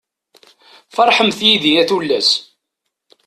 Ferḥemt yid-i a tullas.